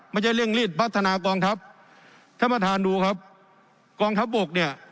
ไม่ใช่เร่งรีบพัฒนากองทัพถ้ามาทานดูครับกองทัพบวกเนี้ย